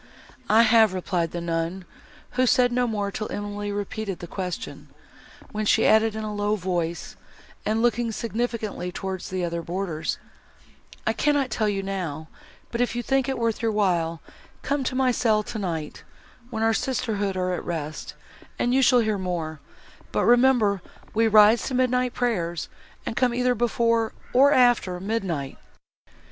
"I have," replied the nun, who said no more till Emily repeated the question, when she added in a low voice, and looking significantly towards the other boarders, "I cannot tell you now, but, if you think it worth your while, come to my cell, tonight, when our sisterhood are at rest, and you shall hear more; but remember we rise to midnight prayers, and come either before, or after midnight."